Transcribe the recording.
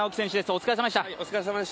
お疲れ様でした。